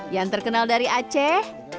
yang terkenal dari aceh